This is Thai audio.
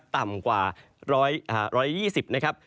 ต่ำกว่า๑๒๐นะครับ